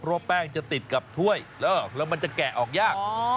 เพราะว่าแป้งจะติดกับถ้วยแล้วมันจะแกะออกยาก